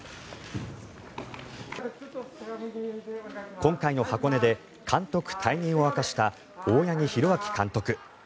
今回の箱根で監督退任を明かした大八木弘明監督。